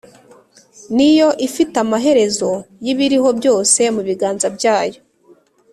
niyo ifite amaherezo y’ibiriho byose mu biganza Byayo.